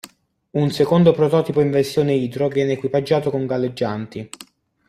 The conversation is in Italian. Un secondo prototipo in versione idro venne equipaggiato con galleggianti.